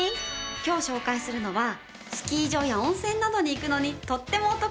今日紹介するのはスキー場や温泉などに行くのにとってもお得なパスよ。